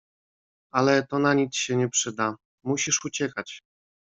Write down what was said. "Ale to na nic się nie przyda... musisz uciekać."